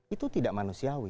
itu tidak manusiawi